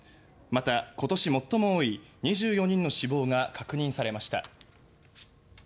また、今年最も多い２４人の死亡が確認されました。